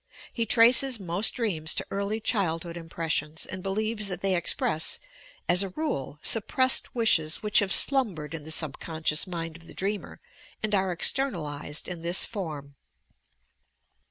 He traces most dreams to early childhood impressions, and believes that they express, as a rule, suppressed wishes which have slumbered in the subconscious mind of the dreamer and are "externalized" in this form.